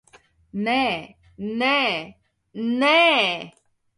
Nē, nē, nē!